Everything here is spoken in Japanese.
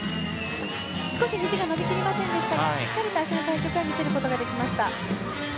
少しひじが伸び切れませんでしたがしっかりと開脚は見せることができました。